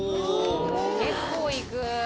結構いく！